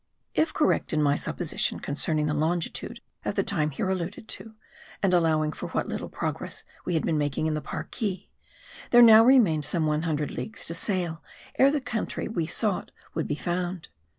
If correct in my supposition, concerning our longitude at the time here alluded to, and allowing for what little pro gress we had been making in the Parki, there now remained some one hundred leagues to sail, ere the country we sought would be found.